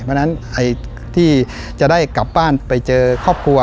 เพราะฉะนั้นที่จะได้กลับบ้านไปเจอครอบครัว